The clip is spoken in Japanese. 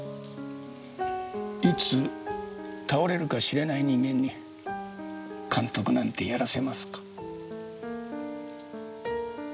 いつ倒れるかしれない人間に監督なんてやらせますか？